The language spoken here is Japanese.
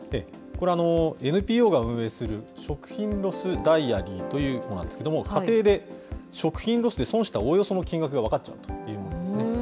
これ、ＮＰＯが運営する食品ロスダイアリーというものなんですけれども、家庭で、食品ロスで損したおおよその金額が分かっちゃうというものなんですね。